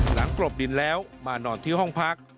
กรบดินแล้วมานอนที่ห้องพัก